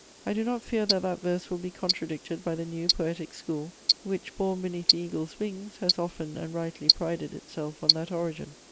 I do not fear that that verse will be contradicted by the new poetic school, which, born beneath the eagle's wings, has often and rightly prided itself on that origin.